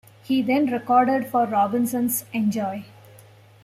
He then recorded for Robinson's Enjoy!